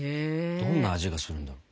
どんな味がするんだろう？